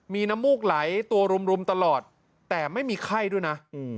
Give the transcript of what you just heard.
มีน้ำมูกไหลตัวรุมตลอดแต่ไม่มีไข้ด้วยนะ